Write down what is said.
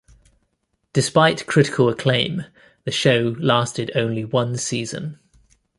Despite critical acclaim, the show lasted only one season.